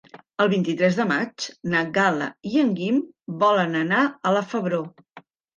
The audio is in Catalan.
El vint-i-tres de maig na Gal·la i en Guim volen anar a la Febró.